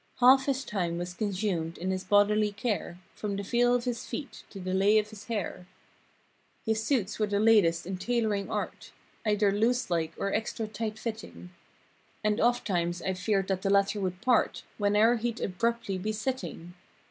Half his time was consumed in his bodily care; From the feel of his feet, to the lay of his hair. 229 His suits were the latest in tailoring art; Either loose like or extra tight fitting; And of times IVe feared that the latter would part— When e'er he'd abruptly be sitting.